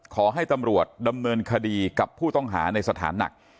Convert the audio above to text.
ขอให้ตำรวจดำเนินคดีกับผู้ต้องหาในสถานหนัก